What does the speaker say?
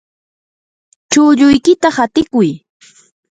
chulluykita hatikuy.